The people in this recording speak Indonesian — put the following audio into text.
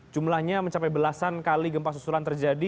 jumlahnya mencapai belasan kali gempa susulan terjadi